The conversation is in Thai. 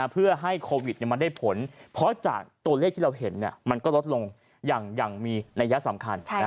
เพื่อให้โควิดมันได้ผลเพราะจากตัวเลขที่เราเห็นมันก็ลดลงอย่างมีนัยสำคัญ